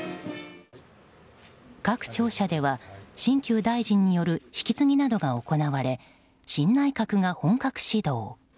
各庁舎では新旧大臣による引き継ぎなどが行われ新内閣が本格始動。